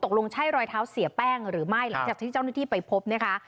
ลงใช่รอยเท้าเสียแป้งหรือไม่หลังจากที่เจ้าหน้าที่ไปพบนะคะ